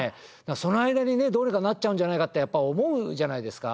その間にねどうにかなっちゃうんじゃないかってやっぱ思うじゃないですか。